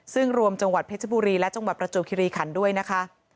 ซึ่งรวมจังหวัดเพชรบุรีและจังหวัดประจวบคิริขันด้วยนะคะ